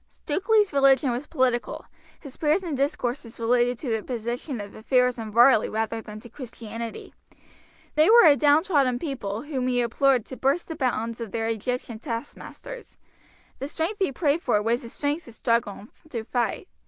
Stukeley's religion was political; his prayers and discourses related to the position of affairs in Varley rather than to Christianity. They were a downtrodden people whom he implored to burst the bonds of their Egyptian taskmasters. The strength he prayed for was the strength to struggle and to fight.